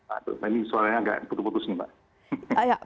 aduh ini suaranya agak putus putus nih mbak